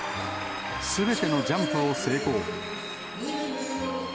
すべてのジャンプを成功。